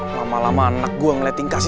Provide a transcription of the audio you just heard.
lama lama anak gua ngeliat tingkah si sam